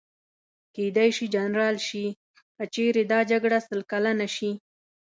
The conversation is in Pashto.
کېدای شي جنرال شي، که چېرې دا جګړه سل کلنه شي.